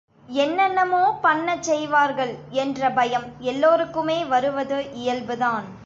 என்னென்னமோ பண்ணச் செய்வார்கள் என்ற பயம் எல்லோருக்குமே வருவது இயல்புதான்.